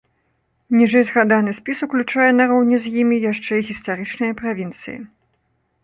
Ніжэйзгаданы спіс уключае нароўні з імі яшчэ і гістарычныя правінцыі.